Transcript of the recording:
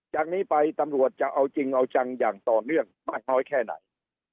จากนี้ไปตำรวจจะเอาจริงเอาจังอย่างต่อเนื่องมากน้อยแค่ไหน